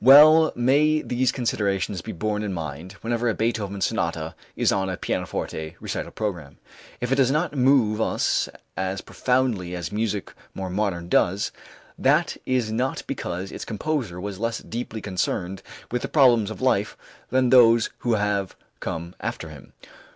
Well may these considerations be borne in mind whenever a Beethoven sonata is on a pianoforte recital program. If it does not move us as profoundly as music more modern does, that is not because its composer was less deeply concerned with the problems of life than those who have come after him.